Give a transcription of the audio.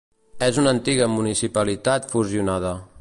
És una antiga municipalitat fusionada.